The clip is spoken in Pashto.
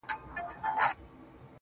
نو زه له تاسره,